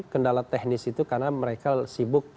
kendala teknis itu karena mereka sibuk